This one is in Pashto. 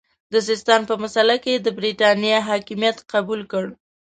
د سیستان په مسئله کې یې د برټانیې حکمیت قبول کړ.